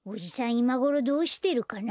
いまごろどうしてるかな？